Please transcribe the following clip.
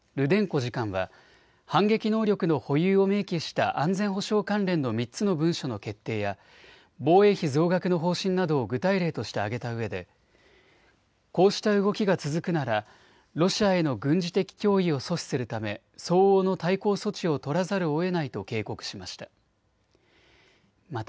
次官は反撃能力の保有を明記した安全保障関連の３つの文書の決定や防衛費増額の方針などを具体例として挙げたうえでこうした動きが続くならロシアへの軍事的脅威を阻止するため相応の対抗措置を取らざるをえないと警告しました。